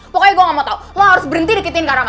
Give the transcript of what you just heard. pokoknya gua gak mau tau lo harus berhenti dikitin kak rama